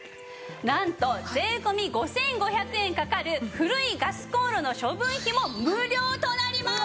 なんと税込５５００円かかる古いガスコンロの処分費も無料となります！